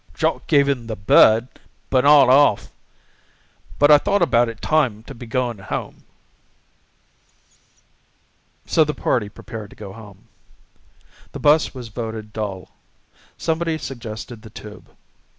"Jock gave him the bird, not 'arf. But I thought it about time to be going home." So the party prepared to go home. The bus was voted dull. Somebody suggested the tube.